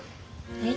はい。